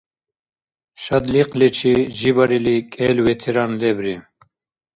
Шадлихъличи жибарили кӀел ветеран лебри.